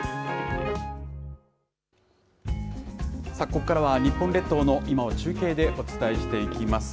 ここからは日本列島の今を中継でお伝えしていきます。